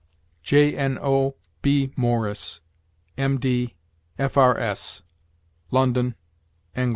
Jno. B. Morris, M. D., F. R. S., London, Eng.